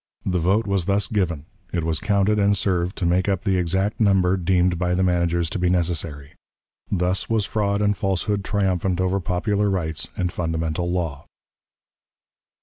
The vote was thus given; it was counted, and served to make up the exact number deemed by the managers to be necessary. Thus was fraud and falsehood triumphant over popular rights and fundamental law.